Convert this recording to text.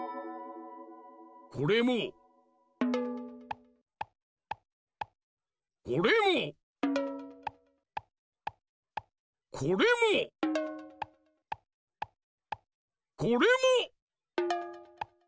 これもこれもこれもこれも！